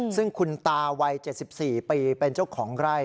ซึ่งคุณตาวัย๗๔ปีเป็นเจ้าของไร่